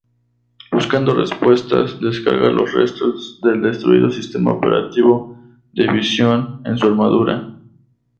Buscando respuestas, descarga los restos del destruido sistema operativo de Visión en su armadura.